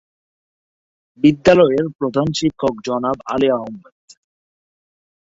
বিদ্যালয়ের প্রধান শিক্ষক জনাব আলী আহমদ।